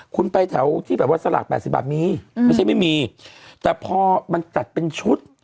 คุณไปแถวที่แบบว่าสลาก๘๐บาทมีไม่ใช่ไม่มีแต่พอมันจัดเป็นชุด